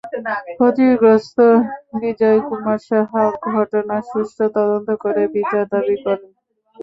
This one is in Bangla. ক্ষতিগ্রস্ত বিজয় কুমার সাহা ঘটনার সুষ্ঠু তদন্ত করে বিচার দাবি করেন।